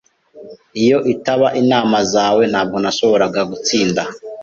Iyo itaba inama zawe, ntabwo nashoboraga gutsinda.